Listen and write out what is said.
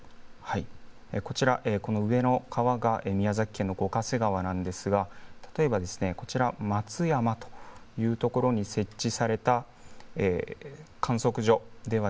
こちら上の川が宮崎県の五ヶ瀬川なんですが例えばこちら松山というところに設置された観測所では